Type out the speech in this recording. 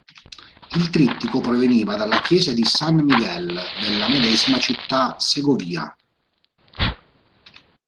Il trittico proveniva dalla Chiesa di San Miguel della medesima città Segovia.